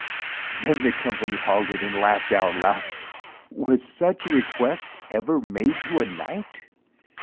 Then the company halted and laughed out loud. "Was such a request ever made to a knight?"